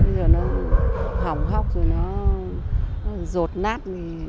bây giờ nó hỏng hóc rồi nó rột nát